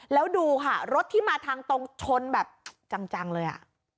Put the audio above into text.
แล้วดูค่ะรถที่มาทางตรงชนแบบจังเลยอ่ะ